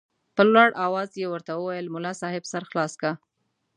په لوړ اواز یې ورته وویل ملا صاحب سر خلاص که.